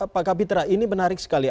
pak kapitra ini menarik sekali